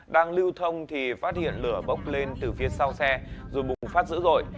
đang lưu thông thì phát hiện lửa bốc lên từ phía sau xe rồi bùng phát dữ dội